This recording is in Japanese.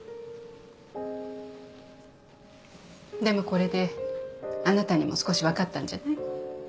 でもこれであなたにも少し分かったんじゃない？